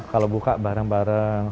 kalau buka bareng bareng